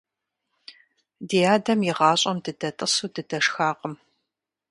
Ди адэм игъащӀэм дыдэтӀысу дыдэшхакъым.